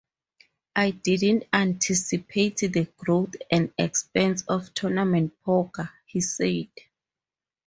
I didn't anticipate the growth and expense of tournament poker, he said.